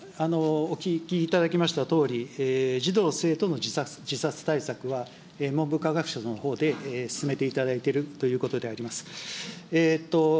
お聞きいただきましたとおり、児童・生徒の自殺対策は、文部科学省のほうで進めていただいているということであります。